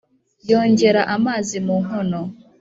yongera amazi mu nkono